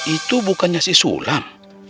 itu bukannya si sulam